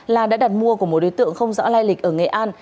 là đã đặt mua của một đối tượng không rõ lai lịch ở nghệ an